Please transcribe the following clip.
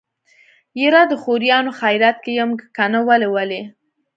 يره د خوريانو خيرات کې يم کنه ولې ولې.